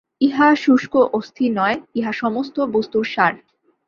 ইহা শুষ্ক অস্থি নয়, ইহা সমস্ত বস্তুর সার।